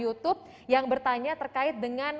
youtube yang bertanya terkait dengan